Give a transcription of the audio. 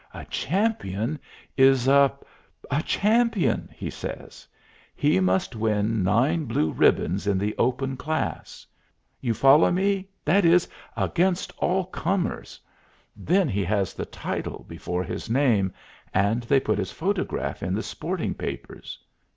A champion is a a champion," he says. "He must win nine blue ribbons in the 'open' class. You follow me that is against all comers. Then he has the title before his name, and they put his photograph in the sporting papers.